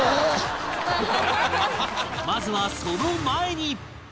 まずはその前に